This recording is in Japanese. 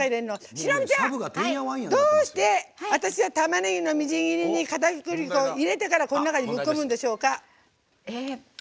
しのぶちゃん、どうして私はたまねぎの、みじん切りにかたくり粉を入れてからこの中にぶっこむんでしょうか。